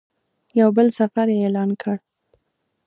یو بل سفر یې اعلان کړ.